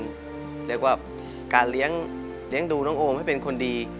เรียกว่าการเลี้ยงดูน้องโอมให้เป็นคนดี